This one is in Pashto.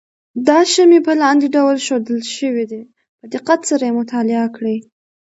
دا شمې په لاندې ډول ښودل شوې ده په دقت سره یې مطالعه کړئ.